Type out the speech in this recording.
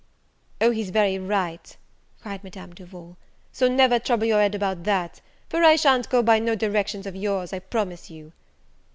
"O, he's very right," cried Madame Duval, "so never trouble your head about that; for I sha'n't go by no directions of your's, I promise you."